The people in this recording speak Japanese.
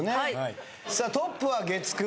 トップは月９。